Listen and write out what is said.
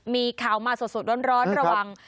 มีข่าวมาสดร้อนระวัง